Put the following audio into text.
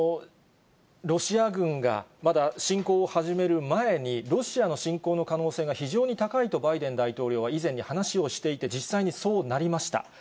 ロシア軍がまだ侵攻を始める前に、ロシアの侵攻の可能性が非常に高いと、バイデン大統領は以前に話をしていて、実際にそうなりました。